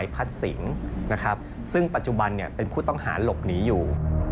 เป็นผู้ต้องหาหลบหนีอยู่